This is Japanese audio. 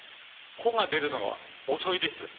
穂が出るのが遅いです。